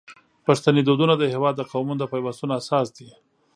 پښتني دودونه د هیواد د قومونو د پیوستون اساس دي.